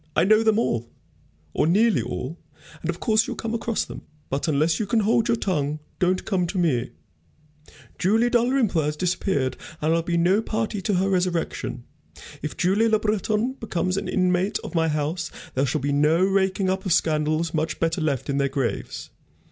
I know them all, or nearly all, and of course you'll come across them. But unless you can hold your tongue, don't come to me. Julie Dalrymple has disappeared, and I'll be no party to her resurrection. If Julie Le Breton becomes an inmate of my house, there shall be no raking up of scandals much better left in their graves.